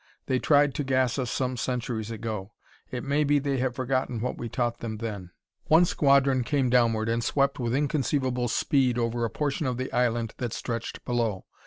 They tried to gas us some centuries ago; it may be they have forgotten what we taught them then." One squadron came downward and swept with inconceivable speed over a portion of the island that stretched below.